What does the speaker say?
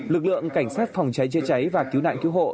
lực lượng cảnh sát phòng cháy chữa cháy và cứu nạn cứu hộ